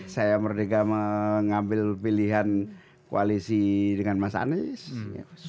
saya merdeka mengambil pilihan koalisi dengan mas anies